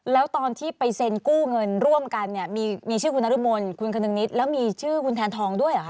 แล้วตอนที่ไปเซ็นกู้เงินร่วมกันเนี่ยมีชื่อคุณนรมนคุณคนึงนิดแล้วมีชื่อคุณแทนทองด้วยเหรอคะ